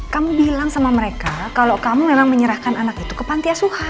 kamu bilang sama mereka kalau kamu memang menyerahkan anak itu ke pantiasuhan